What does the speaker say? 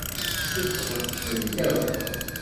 Suffɣet-tent akk.